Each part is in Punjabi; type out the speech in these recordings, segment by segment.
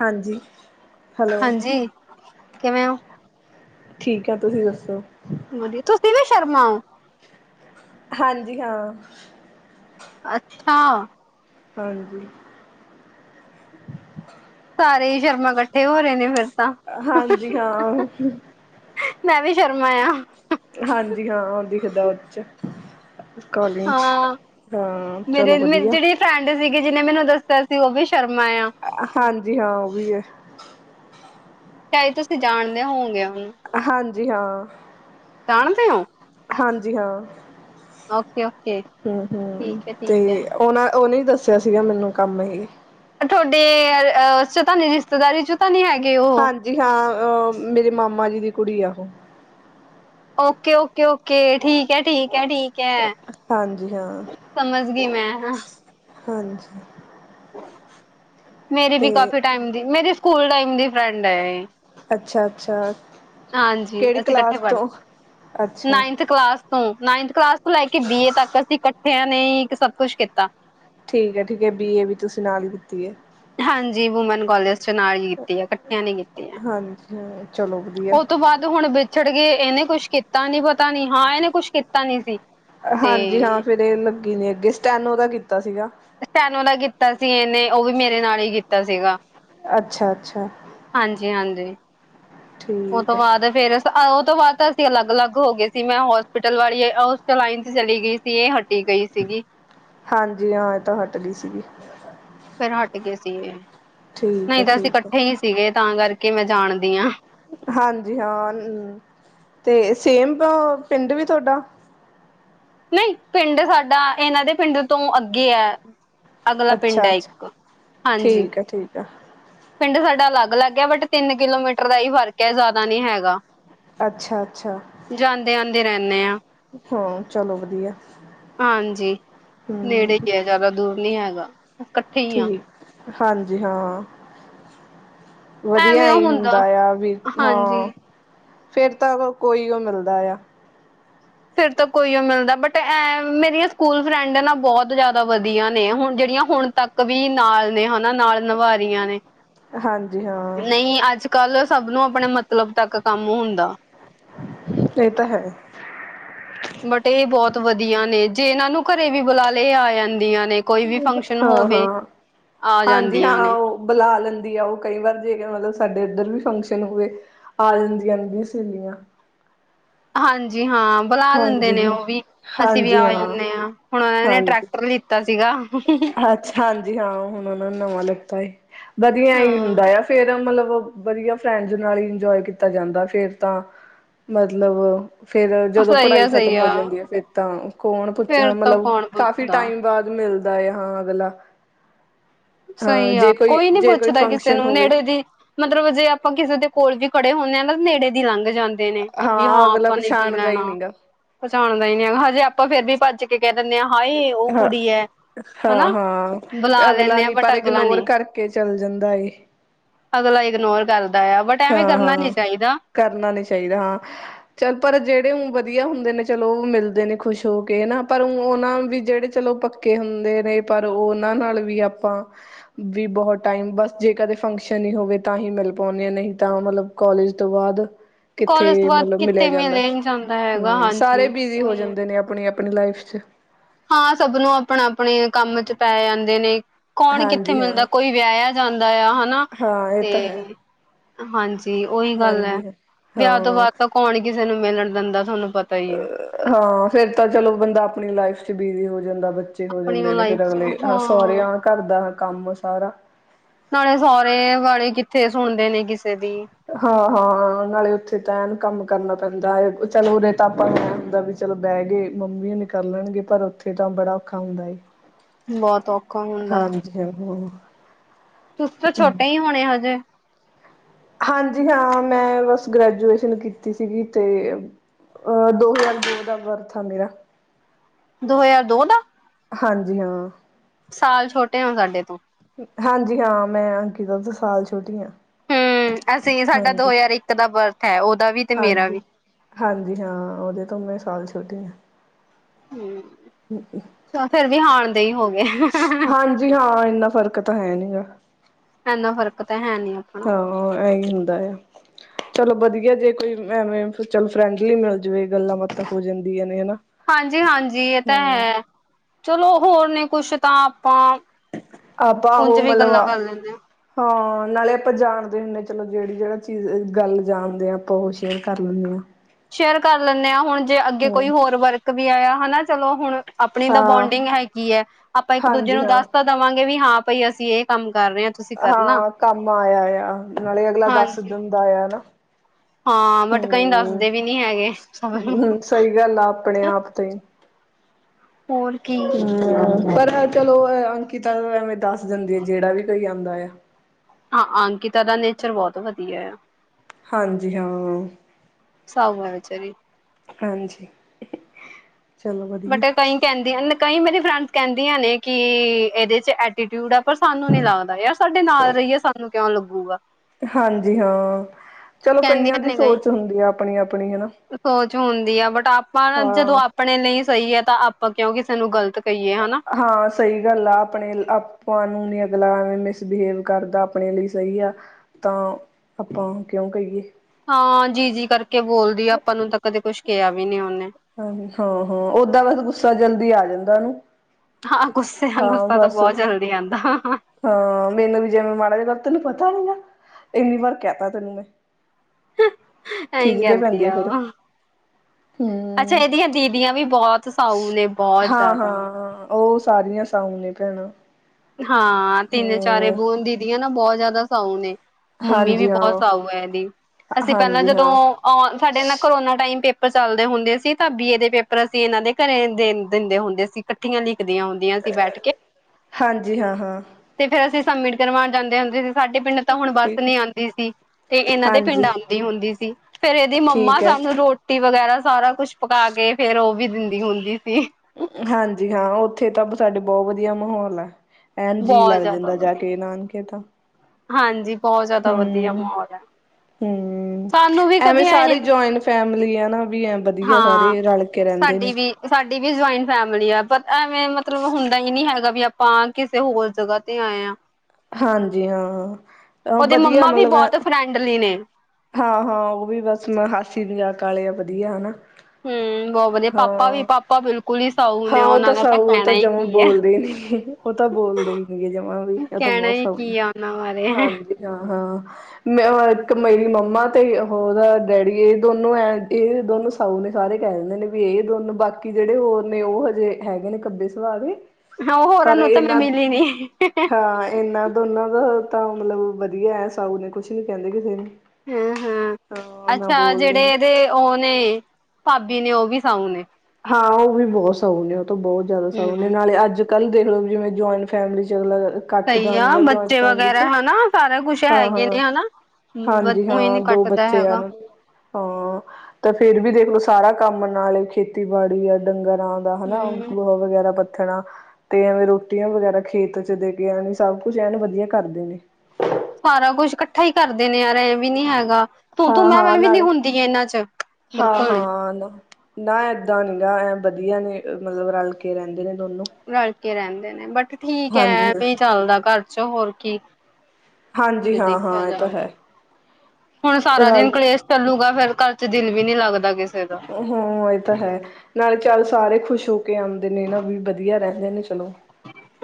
ਹਾਂਜੀ ਹੈਲੋ ਹਾਂਜੀ ਕਿਵੇਂ ਹੋਂ ਠੀਕ ਆ ਤੁਸੀਂ ਦੱਸੋ। ਵਧੀਆ ਤੁਸੀਂ ਵੀ ਸ਼ਰਮਾ ਓ ਹਾਂਜੀ ਹਾਂ। ਅੱਛਾ। ਹਾਂਜੀ। ਸਾਰੇ ਹੀ ਸ਼ਰਮਾਂ ਇਕੱਠੇ ਹੋ ਰਹੇ ਨੇ ਫੇਰ ਹਾਂਜੀ ਹਾਂ। ਮੈਂ ਵੀ ਸ਼ਰਮਾ ਆ ਹਾਂਜੀ ਹਾਂ ਔਹ ਦਿਖਦਾ ਉਹ ਚ ਕਾਲੇਜ ਹਾਂ ਹਾਂ, ਚਲੋ ਵਧੀਆ ਤੇ ਜਿਹਨੇ ਮੈਨੂੰ ਦੱਸਿਆ ਸੀ ਉਹ ਵੀ ਸ਼ਰਮ ਹਾਂਜੀ ਹਾਂ, ਉਹ ਵੀ ਹੈ। ਸ਼ਾਇਦ ਤੁਸੀਂ ਜਾਣਦੇ ਹੋਂਗੇ ਉਹ ਅਹਾਂ ਜੀ ਹਾਂ। ਜਾਣਦੇ ਹੋ। ਹਾਂਜੀ ਹਾਂ। [unintelligible] ਹੂੰ-ਹੂੰ ਠੀਕ ਹੈ ਤੇ ਠੀਕ ਹੈ ਉਹਨਾਂ ਉਹਨੇ ਹੀ ਦੱਸਿਆ ਸੀਗਾ ਮੈਨੂੰ ਕੰਮ ਇਹ ਤੁਹਾਡੇ ਅਹ ਧਾਨੀ ਰਿਸ਼ਤੇਦਾਰੀ ਚੋਂ ਤਾਂ ਨੀ ਹੈਗੇ ਉਹ ਹਾਂਜੀ ਹਾਂ ਅ ਮੇਰੇ ਮਾਮਾ ਜੀ ਦੀ ਕੁੜੀ ਆ ਉਹ ਓਕੇ, ਓਕੇ, ਓਕੇ। ਠੀਕ ਹੈ, ਠੀਕ ਹੈ, ਠੀਕ ਹੈ। ਹਾਂਜੀ ਹਾਂ ਸਮਝ ਗਈ ਮੈਂ ਹਾਂਜੀ। ਮੇਰੀ ਵੀ ਤੇ ਕਾਫੀ ਟਾਈਮ ਦੀ ਮੇਰੀ ਸਕੂਲ ਟਾਈਮ ਦੀ ਫਰੈਂਡ ਹੈ ਇਹ ਅੱਛਾ, ਅੱਛਾ। ਹਾਂਜੀ। ਕਿਹੜੀ ਅਸੀਂ ਇਕੱਠੇ ਕਲਾਸ ਤੋਂ ਪੜ੍ਹਦੇ ਅੱਛਾ ਨਾਈਨਥ ਕਲਾਸ। ਨਾਈਨਥ ਤੋ ਕਲਾਸ ਤੋਂ ਲੈ ਕੇ ਬੀ ਏ ਤੱਕ ਅਸੀਂ ਕਿੱਠਿਆਂ ਨੇ ਸਭ ਕੁਛ ਕੀਤਾ ਠੀਕ ਹੈ, ਠੀਕ ਹੈ ।ਬੀ ਏ ਵੀ ਤੁਸੀਂ ਨਾਲ ਹੀ ਕੀਤੀ ਏ। ਹਾਂਜੀ। ਵੂਮੈਨ ਕਾਲਜ ਚ ਨਾਲ ਕੀਤੀ ਏ। ਨੇ ਕੀਤੀ ਹਾਂਜੀ ਹਾਂ ਚਲੋ ਵਧੀਆ ਹੈ--ਉਹ ਤੋਂ ਬਾਅਦ ਹੁਣ ਛਿੜ ਗਏ ਇਹਨੇ ਕੁਛ ਕੀਤਾ ਨੀ ।ਪਤਾ ਨੀ ਹਾਂ ਇਹਨੇ ਕੁਛ ਕੀਤਾ ਨੀ ਸੀ। ਤੇ ਹਾਂਜੀ- ਹਾਂ ਫੇਰ ਇਹ ਲੱਗੀ ਨੇ ਅੱਗੇ ਸਟੈਨੋ ਦਾ ਕੀਤਾ। ਤਾ ਸੀਗਾ। ਸਟੈਨੋ ਦਾ ਕੀਤਾ ਸੀ ਇਨੇ ਉਹ ਵੀ ਮੇਰੇ ਨਾਲ ਈ ਕੀਤਾ ਸੀਗਾ। ਅੱਛਾ-ਅੱਛਾ! ਤੇ- ਉਹ ਤੋਂ ਬਾਅਦ ਫੇਰ ਸ ਉਹ ਤੋਂ ਬਾਅਦ ਤਾਂ ਅਸੀਂ ਅਲੱਗ-ਅਲੱਗ ਹੋ ਗਏ ਸੀ। ਮੈਂ ਹੋਸਪਿਟਲ ਵਾਲੀ ਏ ਹੋਸਟਲ ਲਾਈਨ ਚ ਚਲੀ ਗਈ ਸੀ ਏ ਹਟੀ ਗਈ ਸੀਗੀ। ਹਾਂਜੀ ਹਾਂ -ਇਹ ਤਾਂ ਹਟਗੀ ਸੀਗੀ। ਫੇਰ ਹਟ ਗਏ ਸੀ ਇਹ। ਠੀਕ ਹੈ ਨਹੀਂ ਤਾਂ ਅਸੀਂ ਠੀਕ ਹੈ ਇਕੱਠੇ ਈ ਸੀਗੇ ਤਾਂ ਕਰਕੇ- ਕਿ ਮੈਂ ਜਾਣਦੀ ਆਂ। ਹਾਂਜੀ ਹਾਂ -ਤੇ ਸੇਮ ਅ ਪਿੰਡ ਵੀ ਤੁਆਡਾ। ਨਹੀਂ ਪਿੰਡ ਸਾਡਾ ਇਨਾਂ ਦੇ ਪਿੰਡ ਤੋਂ ਅੱਗੇ ਐ। ਅਗਲਾ ਪਿੰਡ ਅੱਛਾ ਐ ਅੱਛਾ ਇੱਕ ।ਹਾਂਜੀ। ਠੀਕ ਹੈ ਠੀਕ ਹੈ ਪਿੰਡ ਸਾਡਾ ਅਲੱਗ ਅਲੱਗ ਆ। ਬਟ ਤਿੰਨ ਕਿਲੋਮੀਟਰ ਦਾ ਈ ਫ਼ਰਕ ਐ। ਜ਼ਿਆਦਾ ਨੀ ਹੈਗਾ। ਅੱਛਾ-ਅੱਛਾ! ਤੇ ਰੇਣੇ ਆਂ। ਹਾਂ ਚਲੋ ਵਧੀਆ। ਹਾਂਜੀ- ਹਮ ਨੇੜੇ ਈ ਐ। ਜ਼ਿਆਦਾ ਦੂਰ ਨੀ ਹੈਗਾ। ਇਕੱਠੇ ਈ ਆ। ਠੀਕ ਹਾਂਜੀ ਹਾਂ। ਵਧੀਆ ਐਵੇਂ ਉਹ ਏਂਈ ਹੁੰਦਾ ਆ ਵੀ ਹਾਂਜੀ ਹਾਂ- ਫੇਰ ਤਾਂ ਉਹ ਕੋਈ ਉਹ ਮਿਲਦਾ ਆ। ਫਿਰ ਤੋਂ ਕੋਈ ਓ ਮਿਲਦਾ, ਬਟ ਐ ਮੇਰੀਆਂ ਸਕੂਲ ਫਰੈਂਡ ਨਾ ਬਹੁਤ ਜ਼ਿਆਦਾ ਵਧੀਆ ਨੇ। ਹੁਣ ਜਿਹੜੀਆਂ ਹੁਣ ਤੱਕ ਵੀ ਨਾਲ ਨੇ ਹਨਾ, ਨਾਲ ਨਿਭਾ ਰੀਆਂ ਨੇ ਹਾਂਜੀ ਹਾਂ ਨਈ ਅੱਜ ਕੱਲ ਸਭ ਨੂੰ ਆਪਣੇ ਮਤਲਬ ਤੱਕ ਕੰਮ ਹੁੰਦਾ। ਇਹ ਤਾਂ ਹੈ ਬਟ ਇਹ ਬਹੁਤ ਵਧੀਆ ਨੇ, ਜੇ ਇਨਾਂ ਨੂੰ ਘਰੇ ਵੀ ਬੁਲਾ ਲਏ ਏ ਆ ਜਾਂਦੀਆਂ ਨੇ ਕੋਈ ਵੀ ਫੰਕਸ਼ਨ ਹਾਂ ਹੋਵੇ -ਹਾਂ ਆ ਹਾਂਜੀ ਹਾਂ ਜਾਂਦੀਆਂ ਨੇ ਉਹ ਬੁਲਾ ਲੈਂਦੀ ਆ ।ਉਹ ਕਈ ਵਾਰ ਜੇਕਰ ਮਤਲਬ ਸਡ ਇੱਧਰ ਵੀ ਫੰਕਸ਼ਨ ਹੋਵੇ ਆ ਜਾਂਦੀਆਂ ਮੇਰੀਆਂ ਸਹੇਲੀਆਂ ਹਾਂਜੀ ਹਾਂ ਬੁਲਾ ਲੈਂਦੇ ਹਾਂਜੀ ਨੇ ਹਾਂ ਉਹ ਵੀ ਅਸੀਂ ਵੀ ਹਾਂਜੀ ਆ ਹਾਂ ਜਾਂਦੇ ਆਂ। ਹੁਣ ਉਨਾਂ ਨੇ ਹਾਂਜੀ ਟਰੈਕਟਰ ਲਿੱਤਾ ਸੀਗਾ ਅੱਛਾ ਹਾਂਜੀ ਹਾਂ ਹੁਣ ਓਨੇ ਨੇ ਨਵਾ ਲਿਤਾ ਏ ਵਧੀਆ ਐਈ ਹਾਂ ਹੁੰਦਾ ਆ ਫੇਰ ਮਲਬ- ਵਧੀਆ ਫਰੈਂਡਸ ਨਾਲ ਈ ਇੰਜੋਏ ਕੀਤਾ ਜਾਂਦਾ ਫੇਰ ਤਾਂ ਮਤਲਬ- ਫੇਰ ਜਦੋਂ ਸਹੀ ਪੜਾਈ ਆ ਸਹੀ ਖਤਮ ਹੋ ਆ ਜਾਂਦੀ ਹੈ ।ਫੇਰ ਤਾਂ ਕੌਣ ਪੁੱਛ ਫੇਰ ਤਾਂ ਮਤਲਬ ਕੌਣ ਕਾਫੀ ਪੁੱਛਦਾ ਟਾਈਮ ਬਾਅਦ ਮਿਲਦੀ ਦਾ ਹੈ ਅਗਲਾ ਹਾਂ ਸਹੀ ਆ ਜੇ ਕੋਈ ਨੀ ਜੇ ਪੁੱਛਦਾ ਕਿਸੇ ਫੰਕਸ਼ਨ ਨੂੰ ਹੋਵੇ ਨੇੜੇ ਦੀ, ਮਤਲਬ ਜੇ ਆਪਾਂ ਕਿਸੇ ਦੇ ਕੋਲ ਵੀ ਖੜੇ ਹੁੰਦੇ ਆਾਂ ਨੇੜੇ ਦੀ ਲੰਘ ਜਾਂਦੇ ਨੇ ਵੀ ਹਾਂ ਅਗਲਾ ਆਪਾਂ ਨੇ ਕੀ ਪਛਾਣਦਾ ਹੀ ਲੈਣਾ ਨੀ ਗਾ ਪਚਾਣਦਾ ਹੀ ਨ ਹੈ ਹਜੇ ਆਪਾਂ ਫੇਰ ਵੀ ਭੱਜ ਕੇ ਕਹਿ ਦਿੰਦੇ ਹਾਂ ਹਾਏ ਉਹ ਹਾਂ ਕੁੜੀ ਹੈ। ਹਾਂ ਹਨਾ ਹਾਂ ਬੁਲਾ ਅਗਲਾ ਲੈਂਦੇ ਆ ਨੀ ਬਟ ਪਰ ਅਗਲਾ ਇਗਨੋਰ ਨਹੀਂ ਕਰਕੇ ਚੱਲ ਜਾਂਦਾ ਏ ਅਗਲਾ ਇਗਨੋਰ ਕਰਦਾ ਆ ਬਟ ਐਵੇਂ ਹਾਂ, ਕਰਨਾ ਨੀ ਹਾਂ ਚਾਹੀਦਾ ਕਰਨਾ ਨੀ ਚਾਹੀਦਾ ਹਾਂ। ਚੱਲ ਪਰ ਜਿਹੜੇ ਉ ਵਧੀਆ ਹੁੰਦੇ ਨੇ ਚਲੋ ਮਿਲਦੇ ਨੇ ਖੁਸ਼ ਹੋ ਕੇ ਹਨ ਨਾ ਪਰ ਉਹਨਾਂ ਵੀ ਜਿਹੜੇ ਚਲੋ ਪੱਕੇ ਹੁੰਦੇ ਨੇ ਪਰ ਉਹਨਾਂ ਨਾਲ ਵੀ ਆਪਾਂ ਵੀ ਬਹੁਤ ਟਾਈਮ ਬਸ ਜੇ ਕਦੇ ਫੰਕਸ਼ਨ ਹੀ ਹੋਵੇ ਤਾਂ ਹੀ ਮਿਲ ਪਾਉਦੇ ਨਹੀਂ ਤਾਂ ਮਤਲਬ ਕਾਲਜ ਤੋਂ ਬਾਅਦ ਕਿੱਥੇ ਕਾਲਜ ਤੋਂ ਬਾਅਦ ਮਤਲਬ ਮਿਲਿਆ ਕਿੱਥੇ ਜਾਂਦਾ ਨੀ ਜਾਂਦਾ ਹੈਗਾ ਹੂੰ, ਸਾਰੇ ਹਾਂਜੀ ਬਿਜੀ ਹੋ ਉਹੀ ਹੈ ਜਾਂਦੇ ਨੇ ਆਪਣੀ ਆਪ ਆਪਣੀ ਲਾਈਫ 'ਚ ਹਾਂ ਸਭ ਨੂੰ ਆਪਣਾ ਆਪਣੇ ਕੰਮ ਚ ਪੈ ਜਾਂਦੇ ਨੇ ਕੌਣ ਕਿੱਥੇ ਹਾਂਜੀ ਮਿਲਦਾ ਹਾਂ। ਕੋਈ ਵਿਆਹਿਆ ਜਾਂਦਾ ਆ ਹਨਾ ਹਾਂ ਇਹ ਤਾਂ ਹੈ ਹਾਂਜੀ। ਉਹੀ ਗੱਲ ਹੈ ਹਾਂਜੀ। ਹਾ ਵਿਆਹ ਤੋਂ ਬਾਅਦ ਤਾਂ ਕੌਣ ਕਿਸੇ ਨੂੰ ਮਿਲਣ ਦਿੰਦਾ ਤੁਹਾਨੂੰ ਪਤਾ ਹੀ ਹੈ ਹਾਂ ਫਿਰ ਤਾਂ ਚਲੋ ਬੰਦਾ ਆਪਣੀ ਲਾਈਫ ਬਿਜ਼ੀ ਹੋ ਜਾਂਦਾ ਬੱਚੇ ਹੋ ਆਪਣੀ ਉਹ ਜਾਂਦੇ ਨੇ ਲਾਈਫ ਫਿਰ ਚ ਅਗਲੇ ਹਾਂ ਸੋਹਰਿਆਂ ਘਰ ਦਾ ਕੰਮ ਸਾਰਾ ਨਾਲੇ ਸਹੁਰੇ ਵਾਲੇ ਕਿੱਥੇ ਸੁਣਦੇ ਨੇ ਕਿਸ ਹਾਂ, ਹਾਂ। ਨਾਲੇ ਉੱਥੇ ਟਾਈਮ ਕੰਮ ਕਰਨਾ ਪੈਂਦਾ ਹੈ ਚੱਲ ਉਰੇ ਤਾਂ ਆਪਾਂ ਨੂੰ ਹੁੰਦਾ ਵੀ ਚਲ ਬਹਿ ਗਏ ਮੰਮੀ ਉਹ ਨ ਕਰ ਲੈਣਗੇ ਪਰ ਉੱਥੇ ਤਾਂ ਬੜਾ ਔਖਾ ਹੁੰਦਾ ਬਹੁਤ ਔਖਾ ਹੁੰਦਾ ਹਾਂਜੀ ਹਾਂ। ਹਾਂ। ਤੁਸੀਂ ਤਾਂ ਛੋਟੇ ਹੀ ਹੋਣੇ ਹਜੇ ਹਾਂਜੀ ।ਹਾਂ ਮੈਂ ਬਸ ਗ੍ਰੈਜੂਏਸ਼ਨ ਕੀਤੀ ਸੀਗੀ ਤੇ ਅ ਦੋ ਹਜ਼ਾਰ ਦੋ ਦਾ ਵਰਥ ਆ ਮੇਰਾ। ਦੋ ਹਜ਼ਾਰ ਦੋ ਦਾ ਹਾਂਜੀ ਹਾਂ। ਸਾਲ ਛੋਟੇ ਹੋ ਸਾਡੇ ਤੋਂ ਹਾਂਜੀ ਅੰਕਿਤਤਾ ਤੋਂ ਮੈਂ ਸਾਲ ਛੋਟੀ ਹਾਂ ਹਮ ਅਸੀਂ ਸਾਡਾ ਦੋ ਹਾਂਜੀ ਹਜ਼ਾਰ ਇੱਕ ਦਾ ਬਰਥ ਹੈ। ਵੀ ਤੇ ਮੇਰਾ ਹਾਂਜੀ, ਵੀ ਹਾਂਜੀ ਹਾਂ। ਉਹਦੇ ਤੋਂ ਮ ਸਾਲ [inaudible] ਹਮ--ਚ ਫਿਰ ਵੀ ਹਣ ਦੇ ਹੀ ਹੋ ਗਏ ਹਾਂਜੀ ਹਾਂ ਇੰਨਾ ਫ਼ਰਕ [inaudible] ਇਨਾ ਫਰਕ। ਹੋਰ ਇਹੀ ਹੁੰਦਾ ਆ। ਚਲੋ ਵਧੀਆ ਜੇ ਕੋਈ ਐਵੇਂ ਚਲ ਫਰੈਂਡਲੀ ਮਿਲ ਜਾਵੇ ਗੱਲਾਂ ਬਾਤਾਂ ਹੋ ਜਾਂਦੀਆਂ ਨੇ ਹਨਾ। ਹਾਂਜੀ ਹਾਂਜੀ ਇਹ ਤਾਂ ਹਮ ਹੈ ਚਲੋ। ਹੋਰ ਨੇ ਕੁੱਛ ਤਾਂ, ਆਪਾਂ ਆਪਾਂ ਉਝ ਆਹੋ ਵੀ ਮਤਲਬ ਗੱਲਾਂ ਆ ਕਰ ਲੈਂਦੇ ਹਾਂ ਹਾਂ। ਨਾਲੇ ਆਪਾਂ ਜਾਣਦੇ ਹੁੰਦੇ ਹਾਂ ਚਲੋ ਜਿਹੜੀ ਜਿਹੜਾ ਚੀਜ਼ ਗੱਲ ਜਾਣਦੇ ਹਾਂ ਆਪਾਂ ਉਹ ਸ਼ੇਅਰ ਕਰ ਲੈਂਦੇ ਹਾਂ। [unintelligible] ਸ਼ੇਅਰ ਕਰ ਲੈਂਦੇ ਹਾਂ ਹੁਣ ਜੇ ਅੱਗੇ ਕੋਈ ਹਮ। ਹੋਰ ਵਰਕ ਵੀ ਆਇਆ ਹਨਾ। ਚਲੋ ਹੁਣ। ਆਪਣੀ ਤਾਂ ਹਾਂ ਬੋਂਡਿੰਗ ਹੈਗੀ ਹੈ ਆਪਾਂ ਇੱਕ ਦੂਜੇ ਹਾਂਜੀ ਨੂੰ ਹਾਂ। ਦੱਸ ਤਾਂ ਦੇਵਾਂਗੇ ਵੀ ਹਾਂ। ਭਾਈ ਅਸੀਂ ਇਹ ਕੰਮ। ਕਰ ਰਹੇ ਹਾਂ ਤੁਸੀਂ ਕਰਨਾ ਹਾਂ ਕੰਮ ਆਇਆ ਆ ਨਾਲੇ ਅਗਲਾ ਦੱਸ ਹਾਂਜੀ ਦਿਨ ਦਾ ਆਾ। ਹਾਂ ਬਟ ਕਈ ਦੱਸਦੇ ਵੀ ਨੀ ਹੈਗੇ ਸਭ ਨੂੰ। ਹਮ ਸਹੀ ਗੱਲ ਆ ਆਪਣੇ ਆਪ ਤੇ ਹੋਰ ਕੀ। ਹਮ ਪਰ ਚਲੋ ਅੰਕਿਤਾ ਦਾ ਐਵੇਂ ਦੱਸ। ਆ ਜਾਣਗੇ ਜਿਹੜਾ ਵੀ ਕੋਈ ਆਦਾ ਹੈ। ਹਾਂ ਅੰਕਿਤਾ ਦਾ ਨੇਚਰ ਬਹੁਤ ਵਧੀਆ ਆ। ਹਾਂਜੀ ਹਾਂ। ਸਾਊ ਹੈ ਵਿਚਾਰੀ। ਹਾਂਜੀ। ਚਲੋ ਵਧੀਆ। ਬਟੇ ਕਈ ਕਹਿੰਦੀਆਂ ਕਈ ਮੇਰੀ ਫਰੈਂਡਸ ਕਹਿੰਦੀਆਂ ਨੇ ਕਿ ਇਹਦੇ ਚ ਐਟੀਟਿਊਡ ਆ। ਪਰ ਸਾਨੂੰ ਨੀ ਲੱਗਦਾ ਯਾਰ ਸਾਡੇ ਨਾਲ ਰਹੀਏ ਸਾਨੂੰ ਕਿਉਂ ਲੱਗੂ। ਆ। ਹਾਂਜੀ ਹਾਂ। ਚਲੋ ਕਈਆਂ ਕਹਿੰਦੀਆਂ ਦੀ ਨੇ ਕਈ ਸੋਚ ਹੁੰਦੀ ਆ ਆਪਣੀ ਆਪਣੀ ਹਨਾ ਸੋਚ ਹੁੰਦੀ ਆ ਬਟ ਆਪਾਂ ਜਦੋਂ ਹਾਂ। ਆਪਣੇ ਲਈ ਸਹੀ ਹੈ ਤਾਂ ਆਪ। ਕਯੋਂ ਕਿਸਨੂੰ ਗਲਤ। ਹਾਂ ਸਹੀ ਗੱਲ ਆ ਆਪਣੇ ਆਪਾ ਨੂੰ ਨੀ। ਅਗਲਾ ਐਵੇਂ ਮਿਸਬਿਹੇਵ ਕਰਦਾ ਆਪਣੇ ਲਈ ਸਹੀ ਆ ਤਾਂ ਆਪਾਂ ਕਿਉਂ ਕਹੀਏ। ਹਾਂ ਜੀ ਜੀ ਕਰਕੇ। ਬੋਲਦੀ ਆਪਾਂ ਨੂੰ ਤਾਂ ਕਦੇ ਕੁੱਛ। ਕਿਹਾ ਵੀ ਨਹੀਂ ਉਹਨੇ। ਹਾਂ ਹਾਂ ਹਾਂ ਓਦਾਂ ਬਸ ਗੁੱਸਾ। ਜਲਦੀ ਆ ਜਾਂਦਾ, ਉਹਨੂੰ। ਹਾਂ ਗੁੱਸੇ ਹਾਂ । ਗੁੱਸਾ ਤਾਂ ਬਸ, ਬਹੁਤ ਜਲਦੀ ਆਉਂਦਾ ਹਾਂ । ਮੈਨੂੰ ਵੀ ਜਿਵੇਂ ਮਾੜਾ ਜਿ, ਕਰ ਤੈਨੂੰ ਪਤਾ ਨੀ ਨਾ। ਇੰਨੀ ਵਾਰ ਕਹਿ ਤਾਂ, ਤੈਨੂੰ ਮੈਂ ਐਈ। ਖਿਝ ਕੇ ਕਹਿੰਦੀ ਪੈਂਦੀ ਆ, ਫਿਰ ਉਹ ਅੱਛਾ ਹੂੰ ਇਹਦੀਆ ਦੀਦੀਆਂ ਵੀ ਬਹੁਤ ਸਾਊ ਨੇ ਬਹੁਤ ਹਾਂ, ਜ਼ਿਆਦਾ ਹਾਂ। ਉਹ ਸਾਰੀਆਂ ਸਾਊ ਨੇ ਭੈਣਾ ਹਾਂ ਤਿੰਨ ਚਾਰੇ ਬੂ, ਦੀਦੀਆਂ ਨਾਂ ਬਹੁਤ ਜ਼ਿਆਦਾ ਸਾਊ ਨੇ ਮੰਮੀ ਵੀ ਹਾਂਜੀ ਬਹੁਤ ਹਾਂ ਸਾਊ ਹੈ, ਇਹਦੀ। ਅਸੀਂ ਪਹਿਲਾਂ ਹਾਂਜੀ ਹਾਂ ਜਦੋਂ, ਸਾਡੇ ਨਾ ਕਰੋਨਾ ਟਾਈਮ ਪੇਪਰ ਚੱਲਦੇ ਹੁੰਦੇ ਸੀ, ਤਾਂ ਬੀਏ ਦੇ ਪੇਪਰ, ਅਸੀਂ ਇਹਨਾਂ ਦੇ ਘਰੇ ਦਿੰਦੇ ਹੁੰਦੇ ਸੀ, ਇਕੱਠੀਆਂ ਲਿਖਦੀਆਂ ਹੁੰਦੀਆਂ ਸੀ ਬੈਠ ਕੇ। ਹਾਂਜੀ। ਹਾਂ, ਹਾਂ। ਤੇ ਫਿਰ ਅਸੀਂ ਸਬਮਿਟ ਕਰਵਾਉਣ ਜਾਂਦੇ ਹੁੰਦੇ। ਸਾਡੇ ਪਿੰਡ ਤਾਂ ਹੁਣ ਬੱਸ ਠੀਕ ਹੈ ਨੀ ਆਦੀ ਸੀ, ਤੇ ਇਹਨਾਂ ਦੇ ਹਾਂਜੀ ਪਿੰਡ ਆਦੀ ਹੁੰਦੀ ਸੀ। ਫੇਰ ਇਹਦੀ ਮੰਮਾ, ਠੀਕ ਹੈ ਸਾਨੂੰ ਰੋਟੀ ਵਗੈਰਾ ਸਾਰਾ ਕੁਛ ਪਕਾ ਕੇ, ਫੇਰ ਉਹ ਵੀ ਦਿੰਦੀ ਹੁੰਦੀ ਸੀ। ਹਾਂਜੀ, ਹਾਂ, ਉੱਥੇ ਤਾਂ ਸਾਡੇ ਬਹੁਤ ਵਧੀਆ ਮਾਹੌਲ ਆ। ਐਨ ਜੀਅ ਬਹੁਤ ਲੱਗ ਜ਼ਿਆਦਾ ਜਾਂਦਾ ਜਾ ਵਧੀਆ ਕੇ, ਨਾਣਕੇ ਤਾਂ। ਹਾਂਜੀ। ਬਹੁਤ ਜ਼ਿਆਦਾ ਵਧੀਆ ਹੂੰ ਮਾਹੌਲ ਹੈ, ਹੂੰ ਸਾਨੂੰ ਵੀ ਕਦੇ ਆਏ ਮਲੀ ਹੈ ਨਾ, ਵੀ ਐ, ਵਧੀਆ ਸਾਰੇ ਰਲ ਕੇ ਰਹਿੰਦੇ ਨੇ। ਸਾਡੀ ਵੀ ਸਾਡੀ ਵੀ ਜੁਆਇੰਟ ਫੈਮਿਲੀ ਆ ਪਰ ਐਵੇਂ ਮਤਲਬ ਹੁੰਦਾ ਹੀ ਨੀ ਹੈਗਾ, ਵੀ ਆਪ ਆਪਾਂ ਕਿਸੇ ਹੋਰ ਜਗ੍ਹਾ ਤੇ, ਆਏ ਹਾਂ। ਹਾਂਜੀ, ਹਾਂ। ਉਹਦੇ ਵਧੀਆ, ਮੰਮਾ ਵੀ ਮਤਲਬ ਮ, ਬਹੁਤ ਫਰੈਂਡਲੀ ਨੇ ਹਾਂ, ਹਾਂ, ਉਹ ਵੀ ਬਸ ਮੈਂ ਹਾਸੀ ਵੀ ਆ, ਕਾਲੇ ਆ ਵਧੀਆ, ਨਾਂ। ਹੂੰ ਬਹੁਤ ਵਧੀਆ ਪਾਪਾ ਵੀ ਹਾਂ, ਪਾਪਾ ਬਿਲਕੁਲ ਹੀ ਸਾਊ ਹਾਂ, ਨੇ ਉਹ ਉਹਨਾਂ ਤਾਂ ਦਾ ਸਊ, ਉਹ ਕਹਿਣਾ ਤਾਂ ਹੀ ਜਮਾਂ ਕੀ ਹੈ ਬੋਲਦੇ ਨੀ, ਉਹ ਤਾਂ ਬੋਲਦੇ ਹੀ ਨੀ ਹੈ ਜਮਾਂ ਵੀ। ਉਹ ਤਾਂ ਕਹਿਣਾ ਬਹੁਤ ਹੀ ਸ ਕੀ ਆ ਉਹਨਾਂ ਬਾਰੇ। ਹਾਂਜੀ ਹਾਂ ਹਾਂ, ਇੱਕ ਮੇਰੀ ਮੰਮਾ ਤੇ, ਉਹਦਾ ਡੈਡੀ ਇਹ ਦੋਨੋ, ਐ, ਇਹ ਦੋਨੋ ਸਾਊ ਨੇ ਸਾਰੇ ਕਹਿੰਦੇ ਨੇ ਵੀ, ਇਹ ਦੋਨੋ ਬਾਕੀ ਜਿਹੜੇ ਹੋਰ ਨੇ, ਉਹ ਹਜੇ ਹੈਗੇ ਨੇ ਖੱਬੇ ਸਭਾਅ ਦੇ। ਹਾਂ, ਹੋਰਾਂ ਪਰ ਨੂੰ ਤਾਂ, ਮੈਂ ਇਹਨਾਂ ਮਿਲੀ ਨੀ। ਹਾਂ ਇਹਨਾਂ ਦੋਨਾਂ ਦਾ, ਤਾਂ ਮਤਲਬ ਵਧੀਆ ਹੈ ਸਾਊੂ ਨੇ ਕੁਛ ਨੀ ਕਹਿੰਦੇ ਕਿਸੇ ਨੂੰ, ਹੂੰ, ਹੂੰ, ਹਾਂ ਨਾ ਅੱਛਾ ਬੋਲਦੇ ਜਿਹੜੇ ਨੇ ਇਹਦੇ ਉਹ ਨੇ, ਭਾਬੀ ਨੇ ਉਹ ਵੀ ਸਾਊ ਨੇ। ਹਾਂ, ਉਹ ਵੀ ਬਹੁਤ ਸਹਣੇ ਨੇ । ਤੋਂ ਬਹੁਤ ਜ਼ਿਆਦਾ ਸਾਊ ਨੇ ਹੂੰ ਨਾਲੇ ਅੱਜ ਕੱਲ ਦੇਖਲਓ ਜਿਵੇਂ ਜੁਇੰਟ ਫੈਮਿਲੀ ਚ ਅਗਲਾ ਕੱਟ ਸਹੀ ਦਾ ਨ ਆ ਜਇੰਟ ਬੱਚੇ ਫੇਮਲੀ ਵਗੈਰਾ ਚ, ਹਨਾ ਸਾਰਾ ਕੁਛ ਹਾਂ ਹੈਗੇ ਨੇ ਹਾਂ, ਹਨਾ ਹਾਂਜੀ ਊਈ ਹਾਂ, ਨੀ ਦੋ ਕੱਟਦਾ ਬੱਚੇ ਹੈਗਾ ਹਨ ਹਾਂ, ਫੇਰ ਵੀ ਦੇਖਲੋ ਸਾਰਾ ਕੰਮ ਨਾਲ ਖੇ ਖੇਤੀਬਾੜੀ ਹੈ ਡੰਗਰ ਤਰ੍ਹਾਂ ਦਾ ਹਨਾ, ਹਮ ਵਗੈਰਾ ਪ [unintelligible] ਣਾ ਤੇ ਐਵੇਂ ਰੋਟੀਆਂ ਵਗੈਰਾ ਖੇਤ ਚ ਦੇ ਕੇ ਆਣੀ ਸਭ ਕੁਛ ਐਨ ਵਧੀਆ ਕਰਦੇ ਨੇ। ਸਾਰਾ ਕੁੱਝ ਇਕੱਠਾ ਹੀ ਕਰਦੇ ਨੇ ਯਾਰ ਐ ਵੀ ਨੀ, ਹੈਗਾ ਤੂੰ ਤੂੰ ਹਾਂ ਮੈਂ ਹਾਂ ਮੈਂ ਵੀ ਨੀ ਨਾਲੇ, ਹੁੰਦੀ ਇਹਨਾਂ ਚ ਹਾਂ ਬਿਲਕੁਲ ਨੀ ਹਾਂ, ਨਾ ਨਾ ਏਦਾਂ ਨੀ ਗਾ, ਐ ਵਧੀਆ ਨੇ ਮਤਲਬ ਰਲ ਕੇ ਰਹਿੰਦੇ ਨੇ। ਦੋਨੋਂ ਰਲਕੇ ਰਹਿੰਦੇ ਨੇ, ਬਟ ਠੀਕ ਹੈ ਹਾਂਜੀ ਹਾਂ ਐਵੇ ਚੱਲਦਾ ਘਰ ਚ ਹੋਰ ਕੀ। ਹਾਂਜੀ ਜੇ ਹਾਂ ਦੇਖਿਆ ਹਾਂ ਇਹ ਤਾਂ ਜਾਵੇ, ਹੈ ਹੁਣ ਸਾਰਾ ਰਲ ਦਿਨ ਕਲੇਸ਼ ਚੱਲੂਗਾ ਫੇਰ ਕੱਲ ਤੇ ਦਿਲ ਵੀ ਨੀ ਲੱਗਦਾ ਕਿਸੇ ਦਾ ਹਮ ਇਹ ਤਾਂ ਹੈ ਨਾਲੇ ਚੱਲ ਸਾਰੇ ਖੁਸ਼ ਹੋ ਕੇ ਆਉਂਦੇ ਨੇ ਨਾ ਵੀ ਵਧੀਆ ਰਹਿੰਦੇ ਨੇ ਚਲੋ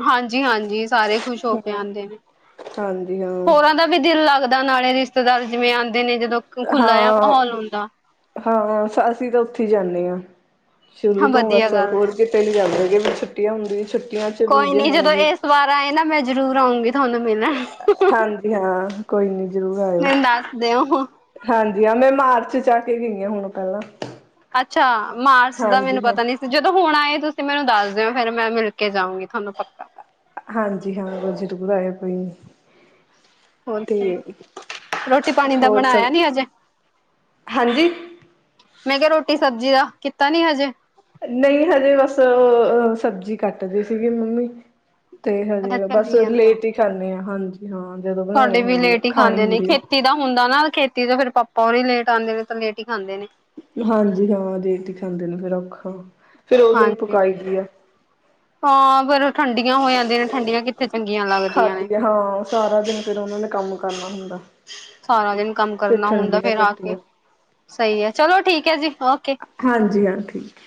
ਹਾਂਜੀ-ਹਾਂਜੀ, ਸਾਰੇ ਖ਼ੁਸ਼ ਹੋ ਕੇ ਹਮ ਆਉਂਦੇ ਨੇ ਹਾਂਜੀ ਹਾਂ ਹੋਰਾਂ ਦਾ ਵੀ ਦਿਲ ਲੱਗਦਾ ਨਾਲੇ ਰਿਸ਼ਤੇ ਰਿਸ਼ਤੇਦਾਰ ਜਿਂਵੇ ਆ ਹਾਂ ਮਾਹੌਲ ਹੁੰਦਾ ਹਾਂ ਅਸੀਂ ਤਾਂ ਉੱਥੇ ਹੀ ਜਾਂਦੇ ਆ। [inaudible] ਸ਼ੁਰੂ ਹਾਂ ਤੋਂ ਵਧੀਆ ਬਸ ਗੱਲ ਹੋਰ ਹੈ। ਕਿਤੇ ਨੀ ਜਾਂਦੇ ਜੀ। ਛੁੱਟੀਆ ਹੁੰਦੀ ਛੱਟੀ ਕੋਈ ਨੀ ਜਦੋਂ ਇਸ ਵਾਰ ਆਏ ਨਾ ਮੈਂ ਜਰੂਰ ਆਊਂਗੀ। ਤੁਹਾਨੂੰ ਮਿਲਿਆ ਹਾਂਜੀ ਹਾਂ ਕੋਈ ਨੀ ਜ਼ਰੂਰ ਆਇਓ ਮੈਨੂੰ ਦੱਸ ਦਿਓ। ਹਾਂਜੀ ਮੈਂ ਮਾਰਚ ਚ ਆ ਕੇ ਗਈ ਹਾਂ ਹੁਣ ਪਹਿਲਾਂ ਅੱਛਾ। ਮਾਰਚ ਦਾ ਮੈਨੂੰ ਹਾਂਜੀ ਹਾਂ ਪਤਾ ਨੀ ਸੀ ਜਦੋਂ ਹੁਣ ਆਏ ਤੁਸੀਂ ਮੈਨੂੰ ਦੱਸ ਦੇਓ ਫਿਰ ਮੈਂ ਮਿਲ ਕੇ ਜਾਊਗੀ ਤੁਹਾਨੂੰ ਪੱਕਾ। ਹਾਂਜੀ ਹਾਂ ਬ ਜ਼ਰੂਰ ਆਇਉਂ ਕੋਈ ਨੀ। ਹੋਰ ਕੀ ਤੇ ਰੋਟੀ ਪਾਣੀ ਦਾ ਹੋਰ ਸਭ ਬਣਾਇਆ ਨੀ ਹਜੇ। ਹਾਂਜੀ ਮੈਂ ਕਿਹਾ ਰੋਟੀ ਸਬਜ਼ੀ ਦਾ ਕੀਤਾ ਨੀ ਹਜੇ। ਨਹੀਂ ਹਜੇ ਬਸ ਅਹ-ਅਹ ਉਹ ਸਬਜ਼ੀ ਕੱਟਦੀ ਸੀਗੀ ਮੰਮੀ ਤੇ ਅੱਛਾ ਹਜੇ ਬਸ ਚੱਲੀ ਜਾਂਦਾ। ਲੇਟ ਹੀ ਖਾਂਣੇ ਆਂ। ਹਾਂਜੀ। ਹਾਂ ਜਦੋਂ ਤੁਹਾਡੇ ਬਣਾਉਣੀ ਵੀ ਹੁੰਦੀ ਹੈ ਲੇਟ ਹੀ ਖਾਣੀ ਖਾਂਦੇ ਨੇ ਹੁੰਦੀ ਹੈ ਖੇਤੀ ਦਾ ਹੁੰਦਾ ਨਾ ਖੇਤੀ ਤੋਂ ਫੇਰ ਪਾਪਾ ਪੋਰੀ ਲੇਟ ਆਉਂਦੇ ਨੇ ਤਾਂ ਲੇਟ ਹੀ ਖਾਂਦੇ ਨੇ ਹਾਂਜੀ ਹਾਂ ਲੇਟ ਹੀ ਖਾਂਦੇ ਨੇ ਫੇਰ ਔਖਾ ਫੇਰ ਉਦੋਂ ਹੀ ਹਾਂਜੀ ਪਕਾਈ ਦੀ ਐ। ਹਾਂ ਬਰ। ਲੱਗਦੀਆਂ ਨੇ। ਖਾਦੀ ਆ ਹਾਂ ਸਾਰਾ ਦਿਨ ਫੇਰ ਉਹਨਾਂ ਨੇ ਕੰਮ ਕਰਨਾ ਹੁੰਦਾ। ਸਾਰਾ ਦਿਨ ਕੰਮ ਫਿਰ ਕਰਨਾ ਹੁੰਦਾ ਠੰਡੀਆਂ ਫੇਰ ਆ ਕੇ ਰੋਟੀਆਂ ਸਹੀ ਹੈ, ਚਲੋ ਠੀਕ ਹੈ ਜੀ। ਓਕੇ ਹਾਂਜੀ ਹਾਂ ਠੀਕ।